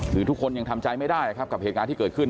คือทุกคนยังทำใจไม่ได้นะครับกับเหตุการณ์ที่เกิดขึ้น